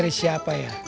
dari siapa ya